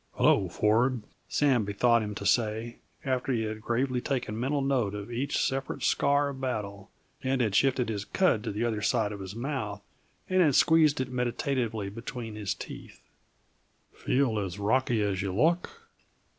"H'lo, Ford," Sam bethought him to say, after he had gravely taken mental note of each separate scar of battle, and had shifted his cud to the other side of his mouth, and had squeezed it meditatively between his teeth. "Feel as rocky as you look?"